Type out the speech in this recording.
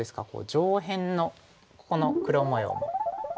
上辺のここの黒模様もかなり。